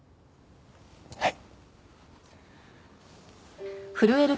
はい。